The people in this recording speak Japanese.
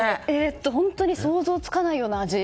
本当に想像がつかないような味。